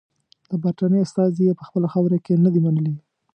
د برټانیې استازي یې په خپله خاوره کې نه دي منلي.